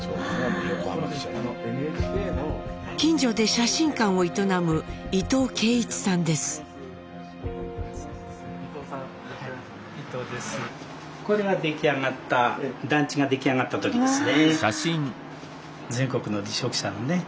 近所で写真館を営むこれが出来上がった団地が出来上がった時ですね。